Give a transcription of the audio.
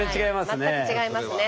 全く違いますね。